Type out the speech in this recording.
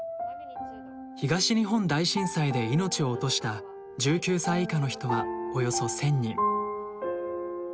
東日本大震災で命を落とした１９歳以下の人はおよそ１，０００人。